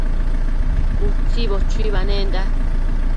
Utsibo chuibanenda